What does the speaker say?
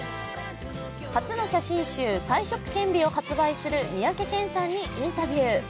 初の写真集「才色健美」を発売する三宅健さんにインタビュー。